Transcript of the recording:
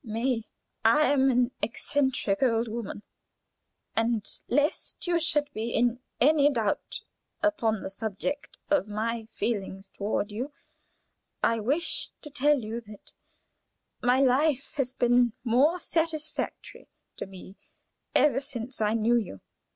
"May, I am an eccentric old woman, and lest you should be in any doubt upon the subject of my feelings toward you, I wish to tell you that my life has been more satisfactory to me ever since I knew you."